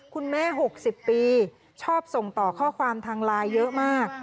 ๖๐ปีชอบส่งต่อข้อความทางไลน์เยอะมาก